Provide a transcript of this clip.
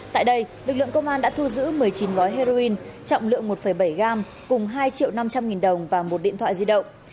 tại đây lực lượng công an đã thu giữ một mươi chín gói heroin trọng lượng một bảy gram cùng hai triệu năm trăm linh nghìn đồng và một điện thoại di động